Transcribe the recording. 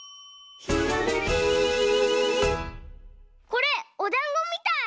これおだんごみたい！